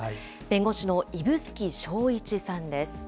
弁護士の指宿昭一さんです。